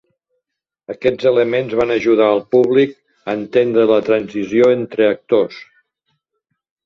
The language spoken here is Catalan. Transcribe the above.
Aquests elements van ajudar el públic a entendre la transició entre actors.